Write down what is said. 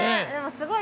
◆すごーい。